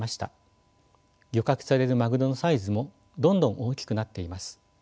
漁獲されるマグロのサイズもどんどん大きくなっています。